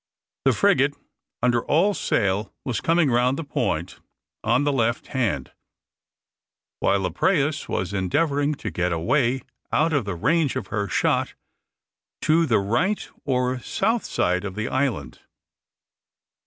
The frigate, under all sail, was coming round the point on the left hand, while the prahus were endeavouring to get away out of the range of her shot to the right or south side of the island.